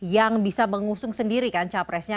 yang bisa mengusung sendiri kan capresnya